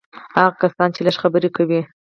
هغه کسان چې لږ خبرې کوي.